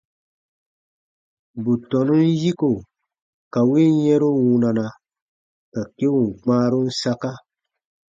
Bù tɔnun yiko ka win yɛ̃ru wunana, ka keun kpãarun saka.